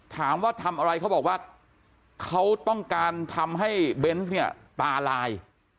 ถามว่าทำอะไรเขาบอกว่าเขาต้องการทำให้เบนส์เนี่ยตาลาย